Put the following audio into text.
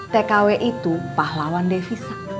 tkw itu pahlawan devisa